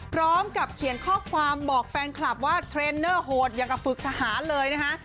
พร้อมกับเขียนข้อความบอกแฟนคลับว่าเทรนเนอร์โหดอย่างกับฝึกทหารเลยนะคะ